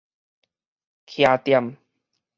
徛踮